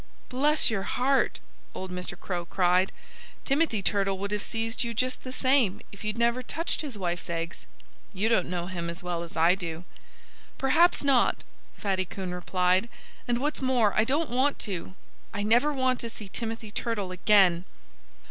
"Bless your heart!" old Mr. Crow cried. "Timothy Turtle would have seized you just the same, if you'd never touched his wife's eggs. You don't know him as well as I do." "Perhaps not!" Fatty Coon replied. "And what's more, I don't want to. I never want to see Timothy Turtle again."